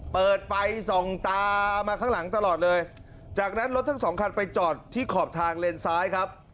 เปิดไฟส่องตามาข้างหลังตลอดเลยจากนั้นรถทั้งสองคันไปจอดที่ขอบทางเลนซ้ายครับ